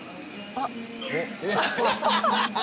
あっ。